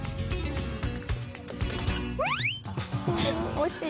惜しい！